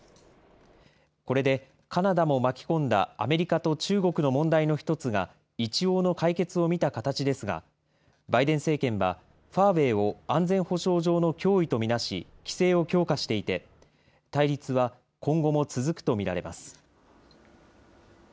これでカナダも巻き込んだアメリカと中国の問題の一つが、一応の解決を見た形ですが、バイデン政権は、ファーウェイを安全保障上の脅威と見なし、規制を強化していて、対立は今後も続くと見られます。